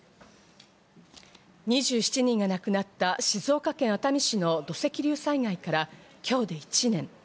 ２７人が亡くなった静岡県熱海市の土石流災害から今日で１年。